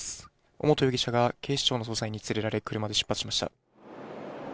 尾本容疑者が警視庁の捜査員に連れられ、車で出発しました。